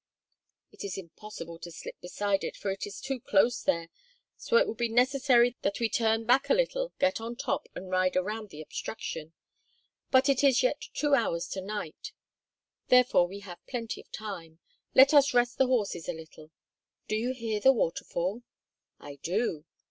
"It is impossible to slip beside it for it is too close there; so it will be necessary that we turn back a little, get on top, and ride around the obstruction; but it is yet two hours to night; therefore we have plenty of time. Let us rest the horses a little. Do you hear the waterfall?" "I do."